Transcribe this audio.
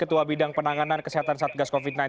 ketua bidang penanganan kesehatan satgas covid sembilan belas